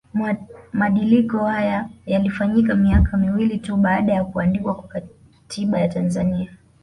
Madiliko haya yalifanyika miaka miwili tu baada ya kuandikwa kwa Katiba ya Tanzania